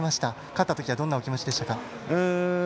勝った時はどんなお気持ちでしたか？